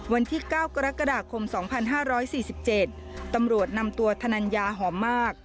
วันที่๙กรกฎาคม๒๕๔๗ตำรวจนำตัวธนัญญาหอมมาก